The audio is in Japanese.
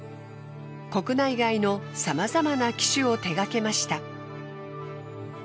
国内外のさまざまな機種を手がけました。